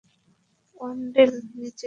Wendell, নিচে নেমে এসো।